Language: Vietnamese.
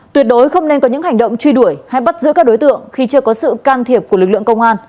tuyệt đối không nên có những hành động truy đuổi hay bắt giữ các đối tượng khi chưa có sự can thiệp của lực lượng công an